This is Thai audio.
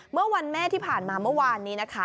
เมื่อวันแม่ที่ผ่านมาเมื่อวานนี้นะคะ